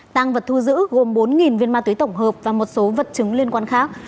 tăng vật thu giữ gồm bốn viên ma túy tổng hợp và một số vật chứng liên quan khác